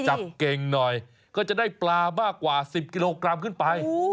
จับเก่งหน่อยก็จะได้ปลามากกว่า๑๐กิโลกรัมขึ้นไป